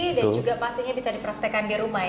dan juga pastinya bisa diprotekan di rumah ya